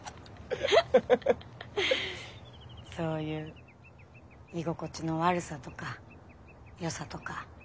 そういう居心地の悪さとかよさとか。